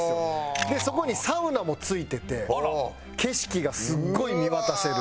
そこにサウナも付いてて景色がすごい見渡せる。